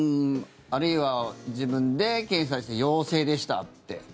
あるいは、自分で検査して陽性でしたって。